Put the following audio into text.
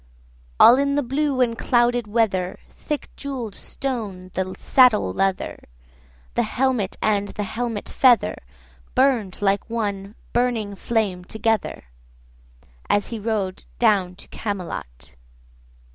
90 All in the blue unclouded weather Thick jewell'd shone the saddle leather, The helmet and the helmet feather Burn'd like one burning flame together, As he rode down to Camelot.